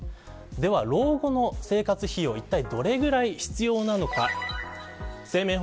では老後の生活費はいったいどれぐらい必要なのか。